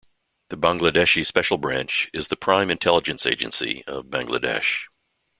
The Bangladeshi Special Branch is the prime intelligence agency of Bangladesh.